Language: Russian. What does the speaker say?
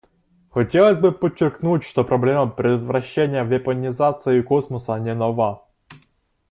Хотелось бы подчеркнуть, что проблема предотвращения вепонизации космоса не нова.